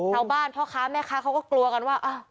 เท่าบ้านพ่อค้าแม่ค้าเขาก็กลัวกันว่า